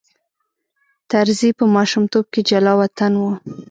طرزی په ماشومتوب کې جلاوطن و.